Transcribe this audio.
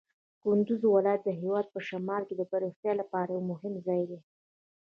کندز ولایت د هېواد په شمال کې د پراختیا لپاره یو مهم ځای دی.